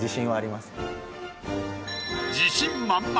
自信満々。